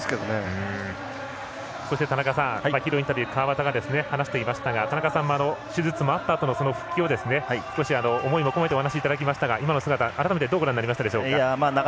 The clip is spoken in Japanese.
ヒーローインタビュー川端が話していましたが田中さんも手術があったあとの復帰を思いを込めてお話いただきましたが今の姿改めてどうご覧になりましたか。